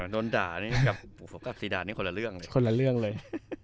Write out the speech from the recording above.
โดนด่านี่กับซีดานนี่คนละเรื่องเลย